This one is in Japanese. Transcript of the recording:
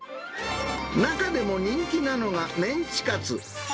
中でも人気なのがメンチカツ。